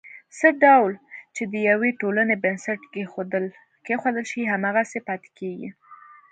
څه ډول چې د یوې ټولنې بنسټ کېښودل شي، هماغسې پاتې کېږي.